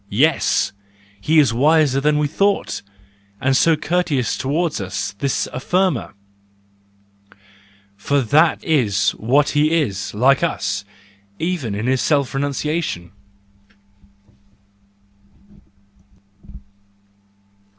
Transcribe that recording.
—Yes! He is wiser than we thought, and so courteous towards us— this affirmer! For that is what he is, like us, even in his self renunciation.